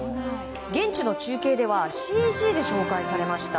現地の中継ではＣＧで紹介されました。